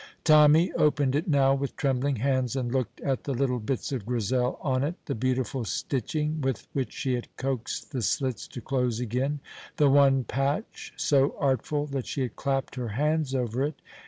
Tommy opened it now with trembling hands and looked at the little bits of Grizel on it: the beautiful stitching with which she had coaxed the slits to close again; the one patch, so artful that she had clapped her hands over it.